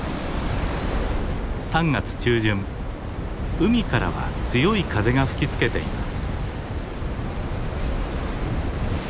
海からは強い風が吹きつけています。